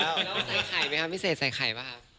แล้วใส่ไข่ไหมครับพิเศษใส่ไข่ป่ะครับ